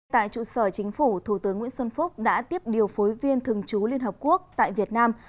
tại trụ sở chính phủ thủ tướng nguyễn xuân phúc đã tiếp điều phối viên thường trú liên hợp quốc tại việt nam